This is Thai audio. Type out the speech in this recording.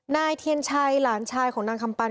นายเทียนชัยหลานชายของนางคำปัน